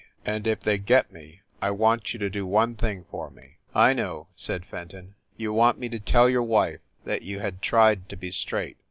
And, if they get me I want you to do one thing for me." "I know," said Fenton. "You want me to tell your wife that you had tried to be straight?"